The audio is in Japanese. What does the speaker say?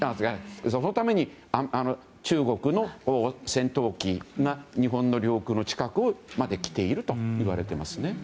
そのために中国の戦闘機が日本の領空の近くまで来ていると言われていますね。